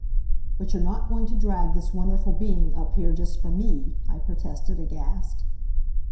"But you're not going to drag this wonderful being up here just for me!" I protested, aghast.